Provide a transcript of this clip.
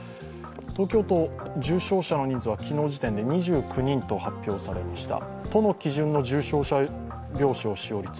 東京都重症者の人数は昨日時点で２９人と発表されました。